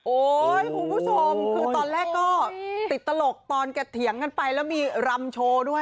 คุณผู้ชมคือตอนแรกก็ติดตลกตอนแกเถียงกันไปแล้วมีรำโชว์ด้วย